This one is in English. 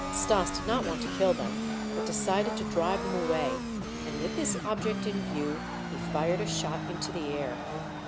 Stas did not want to kill them, but decided to drive them away, and with this object in view he fired a shot into the air.